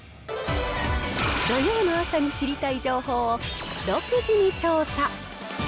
土曜の朝に知りたい情報を独自に調査。